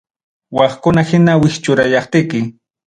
Wakkuna hina wischurayaptiki